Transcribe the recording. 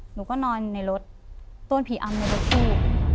หนูก็นอนในรถต้นผีอำในรถตู้